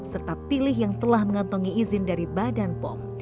serta pilih yang telah mengantongi izin dari badan pom